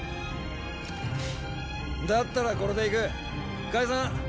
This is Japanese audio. フッだったらこれで行く。解散。！